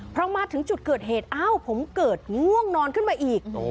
พอมาถึงจุดเกิดเหตุอ้าวผมเกิดง่วงนอนขึ้นมาอีก